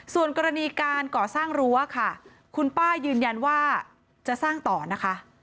ส่วนกรณีการก่อสร้างรั้วค่ะคุณป้ายืนยันว่าจะสร้างต่อนะคะ